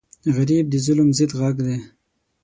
غریب د ظلم ضد غږ دی